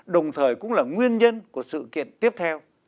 đồng thời cũng là nguyên nhân của sự kiện tiếp theo